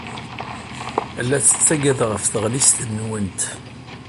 La tettaggad ɣef tɣellist-nwent.